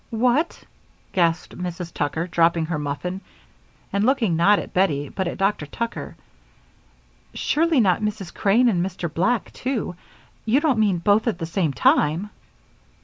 "What!" gasped Mrs. Tucker, dropping her muffin, and looking not at Bettie, but at Dr. Tucker. "Surely not Mrs. Crane and Mr. Black, too! You don't mean both at the same time!"